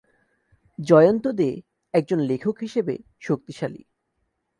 জয়ন্ত দে একজন লেখক হিসেবে শক্তিশালী।